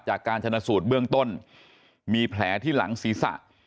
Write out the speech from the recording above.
จากการชนะสูตรเบื้องต้นมีแผลที่หลังศีรษะ